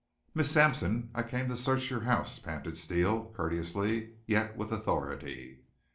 "Miss Sampson, I came to search your house!" panted Steele, courteously, yet with authority.